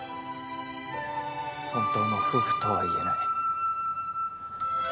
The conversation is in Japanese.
本当の夫婦とはいえない。